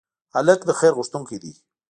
هلک د خیر غوښتونکی دی.